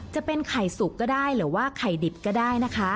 จะเป็นไข่สุกก็ได้หรือว่าไข่ดิบก็ได้นะคะ